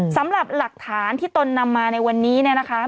สำหรับหลักฐานที่ตนนำมาในวันนี้เนี่ยนะคะ